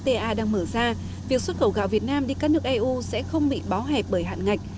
ta đang mở ra việc xuất khẩu gạo việt nam đi các nước eu sẽ không bị bó hẹp bởi hạn ngạch